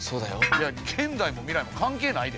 いや現代も未来も関係ないで。